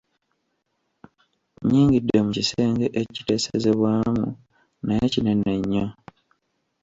Nyingidde mu kisenge ekiteesezebwamu naye kinene nnyo.